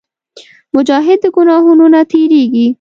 مجاهد د ګناهونو نه تېرېږي.